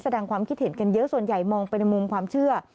แสดงความคิดเห็นกันเยอะส่วนใหญ่มองไปในมุมความเชื่อ